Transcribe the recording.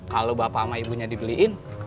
kalau bapak sama ibunya dibeliin